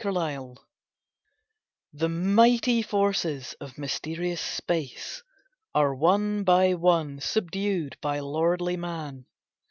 UNCONTROLLED The mighty forces of mysterious space Are one by one subdued by lordly man.